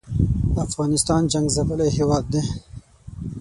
افغانستان جنګ څپلی هېواد دی